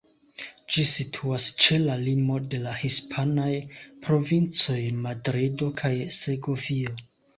Ĝi situas ĉe la limo de la hispanaj provincoj Madrido kaj Segovio.